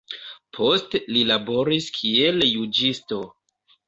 Poste li laboris kiel juĝisto.